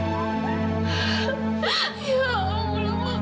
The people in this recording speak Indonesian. kamila kangen banget sama makan